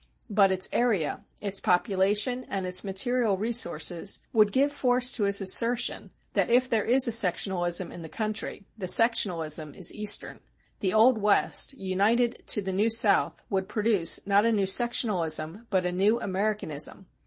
But its area, its population, and its material resources would give force to its assertion that if there is a sectionalism in the country, the sectionalism is Eastern. The old West, united to the new South, would produce, not a new sectionalism, but a new Americanism.